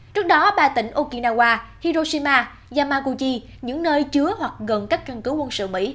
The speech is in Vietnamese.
trước đó ba tỉnh okinawa hiroshima yamakuchi những nơi chứa hoặc gần các căn cứ quân sự mỹ